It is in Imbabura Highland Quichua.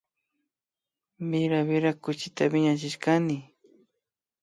Wira wira kuchita wiñachishkani